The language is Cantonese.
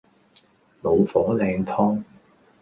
老火靚湯